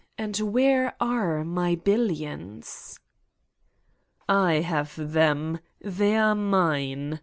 And where are my billions?" "I have them. They are mine.